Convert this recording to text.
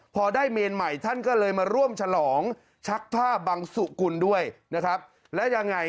พอได้เมนใหม่ท่านก็เลยมาร่วมฉลองชักผ้าบังสุกุลด้วยนะครับแล้วยังไง